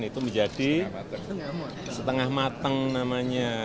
itu menjadi setengah mateng namanya